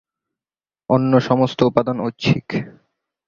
অন্যান্য সমস্ত উপাদান ঐচ্ছিক।